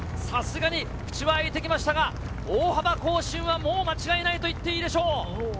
さすがに口は開いてきましたが、大幅更新はもう間違いないと言ってもいいでしょう。